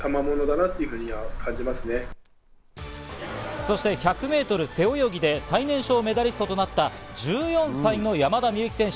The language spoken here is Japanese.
そして１００ｍ背泳ぎで最年少メダリストとなった１４歳の山田美幸選手。